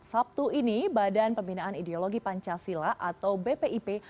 sabtu ini badan pembinaan ideologi pancasila atau bpip